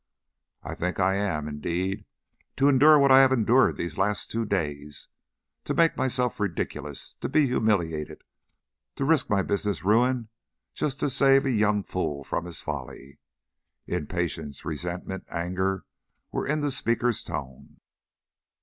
"I think I am, indeed, to endure what I have endured these last two days; to make myself ridiculous; to be humiliated; to risk my business ruin just to save a young fool from his folly." Impatience, resentment, anger were in the speaker's tone.